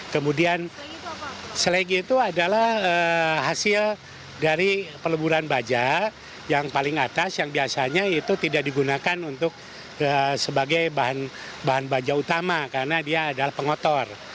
kemudian selegi itu adalah hasil dari peleburan baja yang paling atas yang biasanya itu tidak digunakan untuk sebagai bahan baja utama karena dia adalah pengotor